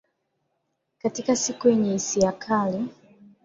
Katika siku yenye hisia kali